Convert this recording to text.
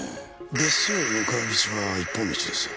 別荘へ向かう道は一本道です。